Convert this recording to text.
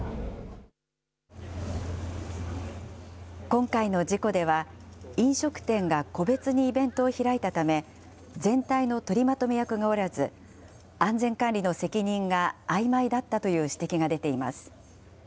今回の事故では、飲食店が個別にイベントを開いたため、全体の取りまとめ役がおらず、安全管理の責任があいまいだったという指摘が出ています。